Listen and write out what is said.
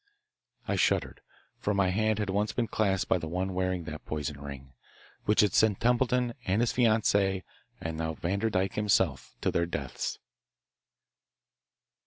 I shuddered, for my hand had once been clasped by the one wearing that poison ring, which had sent Templeton, and his fiancee and now Vanderdyke himself, to their deaths.